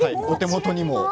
お手元にも。